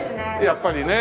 やっぱりね。